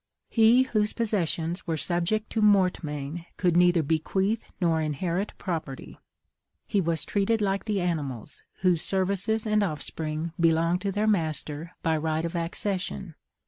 He whose possessions were subject to mortmain could neither bequeath nor inherit property; he was treated like the animals, whose services and offspring belong to their master by right of accession.